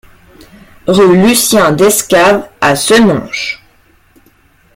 Rue Lucien Descaves à Senonches